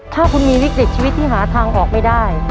ถ้าคุณมีวิกฤตชีวิตที่หาทางออกไม่ได้